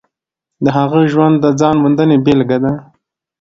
د هغه ژوند د ځان موندنې بېلګه ده.